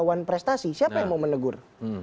one prestasi siapa yang mau menegur